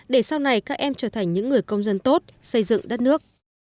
để sau này các em trở thành những người công dân tốt xây dựng đất nước